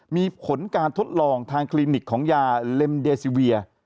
มีผลการทดลองทางคลินิกของยาเล็มเดซิเวีย